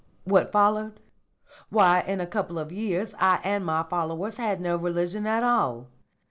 What followed? Why, in a couple of years I and my followers had no religion at all.